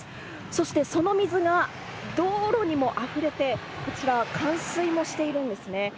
そしてその水が道路にもあふれてこちら冠水もしているんですね。